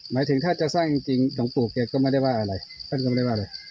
หมายถึงถ้าจะสร้างจริงหลวงปู่แกก็ไม่ได้ว่าอะไร